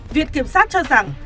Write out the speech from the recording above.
viện kiểm sát cho rằng